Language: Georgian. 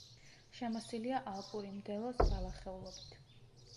შემოსილია ალპური მდელოს ბალახეულობით.